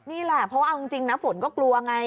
นี่แหละเพราะว่าเอาจริงนะฝนก็กลัวไง